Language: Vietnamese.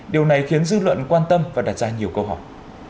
điều này khiến dư luận quan tâm và đặt ra nhiều câu hỏi